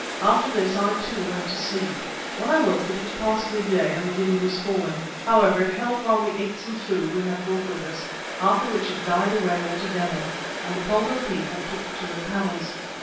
After this I, too, went to sleep. When I woke it was past midday and the wind was falling. However, it held while we ate some food we had brought with us, after which it died away altogether, and the Pongo people took to their paddles.